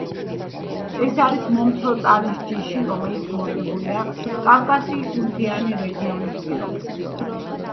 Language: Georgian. ეს არის მომცრო ტანის ჯიში, რომელიც მორგებულია კავკასიის მთიანი რეგიონის პირობებს.